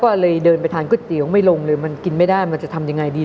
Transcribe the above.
ก็เลยเดินไปทานก๋วยเตี๋ยวไม่ลงเลยมันกินไม่ได้มันจะทำยังไงดี